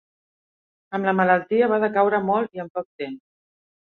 Amb la malaltia va decaure molt i en poc temps.